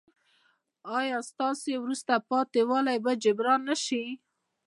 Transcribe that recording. ایا ستاسو وروسته پاتې والی به جبران نه شي؟